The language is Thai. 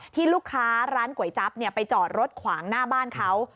ที่ลูกค้าร้านก๋วยจั๊บไปจอดรถขวางหน้าบ้านเขา